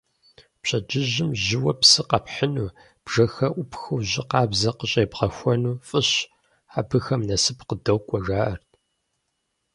Пщэдджыжьым жьыуэ псы къэпхьыну, бжэхэр Ӏупхыу жьы къабзэ къыщӀебгъэхуэну фӀыщ: абыхэм насып къадокӀуэ, жаӀэрт.